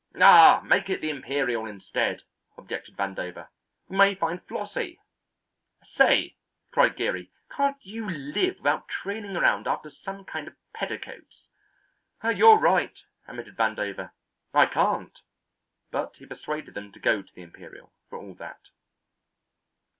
"Ah, make it the Imperial instead," objected Vandover. "We may find Flossie." "Say," cried Geary, "can't you live without trailing around after some kind of petticoats?" "You're right," admitted Vandover, "I can't," but he persuaded them to go to the Imperial for all that.